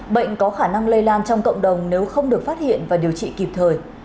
bệnh có khả năng lây lan trong cộng đồng nếu không được phát hiện và điều trị kịp thời